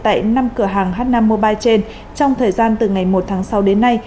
tại năm cửa hàng h năm mobile trên trong thời gian từ ngày một tháng sáu đến nay